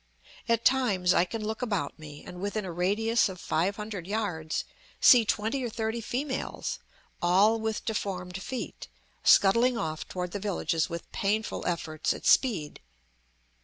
At times I can look about me and, within a radius of five hundred yards, see twenty or thirty females, all with deformed feet, scuttling off toward the villages with painful efforts at speed.